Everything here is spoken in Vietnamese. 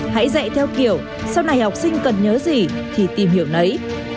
hãy dạy theo kiểu sau này học sinh cần nhớ gì thì tìm hiểu nấy